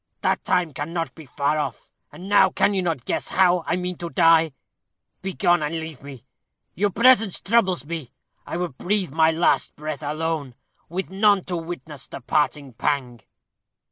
That time cannot be far off; and now can you not guess how I mean to die? Begone and leave me; your presence troubles me. I would breathe my last breath alone, with none to witness the parting pang."